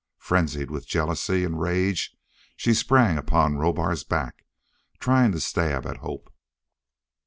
Frenzied with jealousy and rage she sprang upon Rohbar's back, trying to stab at Hope.